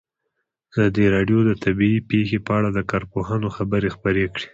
ازادي راډیو د طبیعي پېښې په اړه د کارپوهانو خبرې خپرې کړي.